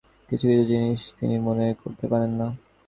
কিছু কিছু জিনিস তিনি মনে করতে পারেন না।